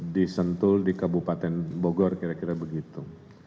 disentul di kabupaten bogor kira kira begitu